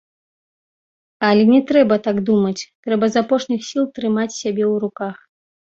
Але не трэба так думаць, трэба з апошніх сіл трымаць сябе ў руках.